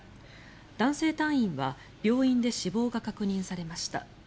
男性隊員は病院で死亡が確認されました。